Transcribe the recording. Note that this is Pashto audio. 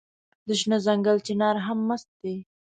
د شنه ځنګل چنار هم مست دی